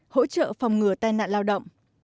bảy hỗ trợ phòng ngừa tai nạn lao động